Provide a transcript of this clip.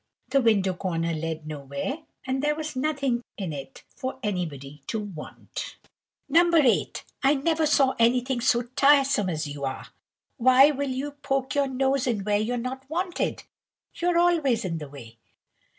The window corner led nowhere, and there was nothing in it for anybody to want. "No. 8, I never saw anything so tiresome as you are. Why will you poke your nose in where you're not wanted? You're always in the way."